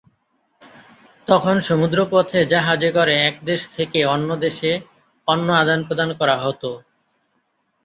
তখন, সমুদ্র পথে জাহাজে করে এক দেশ থেকে অন্য দেশে পণ্য আদান-প্রদান হতো।